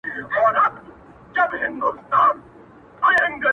په دقيقه کي مسلسل له دروازې وځم-